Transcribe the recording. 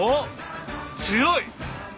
強い！